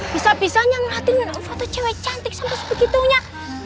bisa bisanya ngeliatin foto cewek cantik sampai sebegitunya